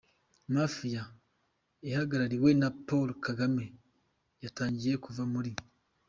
Mafia ihagarariwe na Paul Kagame yatangiye kuva muri